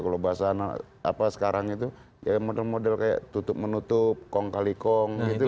kalau bahas sekarang itu model model kayak tutup menutup kong kali kong gitu lah